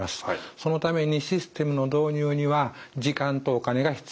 そのためにシステムの導入には時間とお金が必要となります。